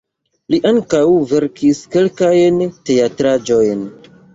Li ankaŭ verkis kelkajn teatraĵojn.